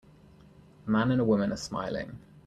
A man and a woman are smiling